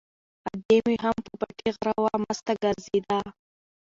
ادې مې هم په پټي غره وه، مسته ګرځېده.